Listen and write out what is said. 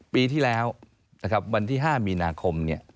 ปีที่แล้ววันที่๕มีนาคม